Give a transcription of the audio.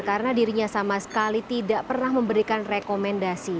karena dirinya sama sekali tidak pernah memberikan rekomendasi